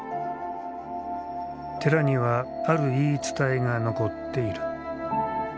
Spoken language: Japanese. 寺にはある言い伝えが残っている。